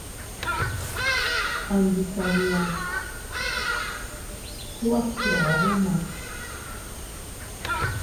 Andikabia, kuu a fgiadu ma.